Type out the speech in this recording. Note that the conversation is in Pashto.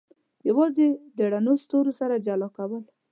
یوازې رڼو ستورو سره جلا کول.